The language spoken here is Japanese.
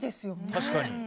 確かに。